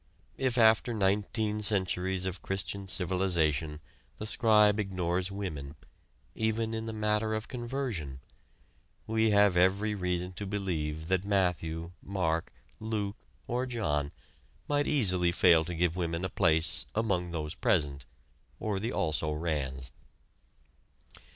If after nineteen centuries of Christian civilization the scribe ignores women, even in the matter of conversion, we have every reason to believe that Matthew, Mark, Luke or John might easily fail to give women a place "among those present" or the "also rans."